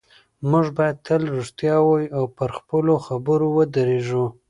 موږ باید تل رښتیا ووایو او پر خپلو خبرو ودرېږو